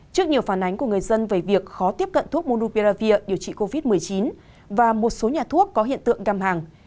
trước nhiều phản ánh của người dân về việc khó tiếp cận thuốc mundupiravir điều trị covid một mươi chín và một số nhà thuốc có hiện tượng găm hàng